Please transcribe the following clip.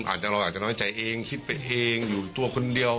อาจจะเราอาจจะน้อยใจเองคิดไปเองอยู่ตัวคนเดียว